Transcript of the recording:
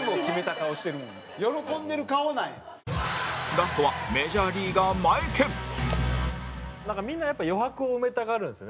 ラストはみんなやっぱ余白を埋めたがるんですよね